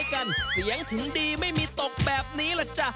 หรือยังไงกันเสียงถึงดีไม่มีตกแบบนี้แหละจ้ะ